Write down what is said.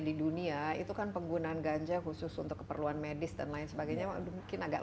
di dunia itu kan penggunaan ganja khusus untuk keperluan medis dan lain sebagainya mungkin agak